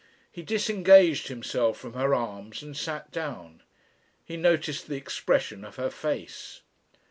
He disengaged himself from her arms and sat down. He noticed the expression of her face.